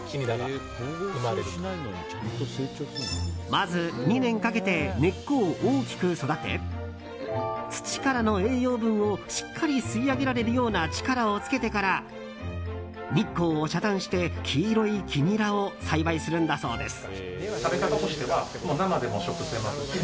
まず２年かけて根っこを大きく育て土からの栄養分をしっかり吸い上げられるような力をつけてから日光を遮断して黄色い黄ニラを栽培するんだそうです。